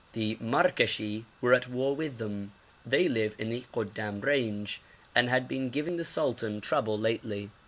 The Markashi were at war with them; they live in the Goddam range, and had been giving the sultan trouble lately.